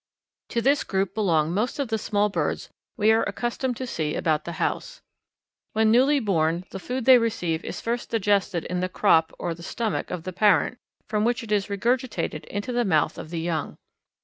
To this group belong most of the small birds we are accustomed to see about the house. When newly born the food they receive is first digested in the crop or the stomach of the parent from which it is regurgitated into the mouth of the young.